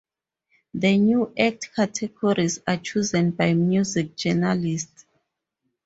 The new act categories are chosen by music journalists.